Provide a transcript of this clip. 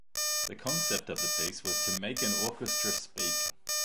The concept of the piece was to "make an orchestra speak".